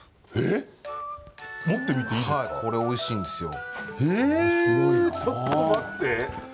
これ、おいしいんですよ。